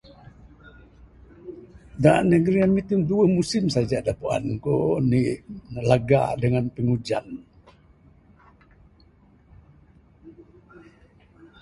Da negeri ami ti duweh musim saja da puan ku...inik laga dangan pingujan.